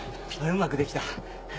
うまくできた。